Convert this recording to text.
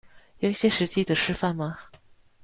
有一些實際的示範嗎